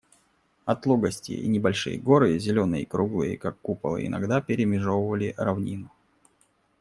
Отлогости и небольшие горы, зеленые и круглые, как куполы, иногда перемежевывали равнину.